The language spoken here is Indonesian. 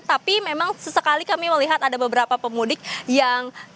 tapi memang sesekali kami melihat ada beberapa pemudik yang